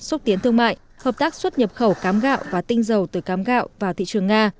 xúc tiến thương mại hợp tác xuất nhập khẩu cám gạo và tinh dầu từ cám gạo vào thị trường nga